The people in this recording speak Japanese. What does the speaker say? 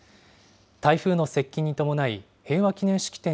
台風の接近に伴い、平和祈念式典